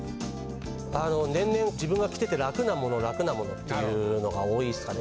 あの年々自分が着てて楽なもの楽なものっていうのが多いですかね。